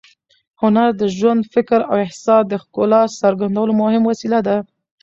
هنر د ژوند، فکر او احساس د ښکلا څرګندولو مهم وسیله ده.